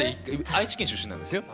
愛知県出身なんですよ。